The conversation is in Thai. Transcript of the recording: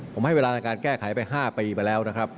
ผมให้เวลาในการแก้ไขไป๕ปีไปแล้วนะครับ